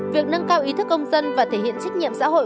việc nâng cao ý thức công dân và thể hiện trách nhiệm xã hội